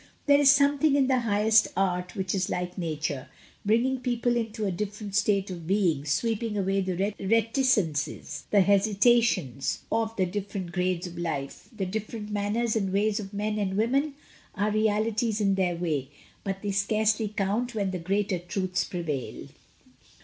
There is something in the highest art which is like nature, bringing people into a different" staite of being, sweeping away the reticences, the hesitations. 128 MRS. DYMOND. of the different grades of life. The different manners and ways of men and women are realities in their way, but they scarcely count when the greater truths prevail.